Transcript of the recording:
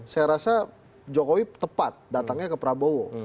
saya rasa jokowi tepat datangnya ke prabowo